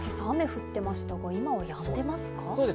今朝、雨降ってましたが今はやんでますか？